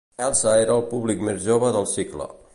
Elsa era el públic més jove del cicle.